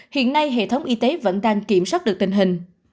hiện nay hệ thống y tế vẫn đang kiểm soát được tình hình